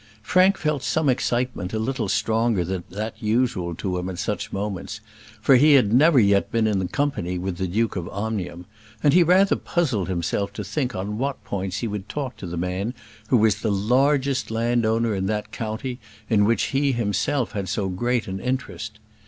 Frank felt some excitement a little stronger than that usual to him at such moments, for he had never yet been in company with the Duke of Omnium; and he rather puzzled himself to think on what points he would talk to the man who was the largest landowner in that county in which he himself had so great an interest.